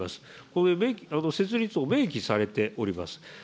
これ、設立と明記されております。